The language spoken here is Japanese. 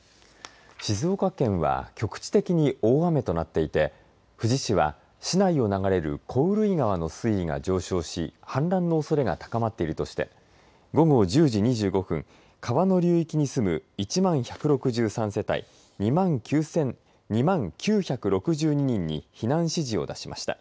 静岡県は局地的に大雨となっていて富士市は市内を流れる小潤井川の水位が上昇し氾濫のおそれが高まっているとして午後１０時２５分川の流域に住む１万１６３世帯２万９６２人に避難指示を出しました。